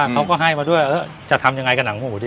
เขาก็ให้มาด้วยจะทำยังไงกับหนังหูดิ